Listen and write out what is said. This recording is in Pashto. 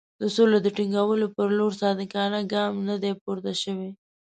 د سولې د ټینګولو پر لور صادقانه ګام نه دی پورته شوی.